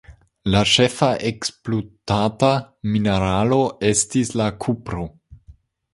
La ĉefa ekspluatata mineralo estis la kupro.